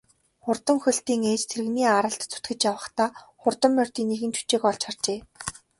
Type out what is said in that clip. Хурдан хөлтийн ээж тэрэгний аралд зүтгэж явахдаа хурдан морьдын нэгэн жүчээг олж харжээ.